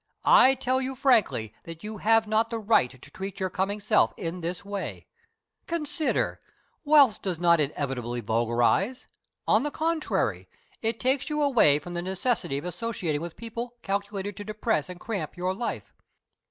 I tell you frankly that you have not the right to treat your coming self in this way. Consider! Wealth does not inevitably vulgarize. On the contrary, it takes you away from the necessity of associating with people calculated to depress and cramp your life.